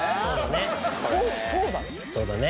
そうだね。